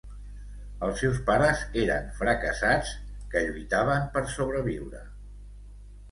Els seus pares eren fracassats que lluitaven per sobreviure.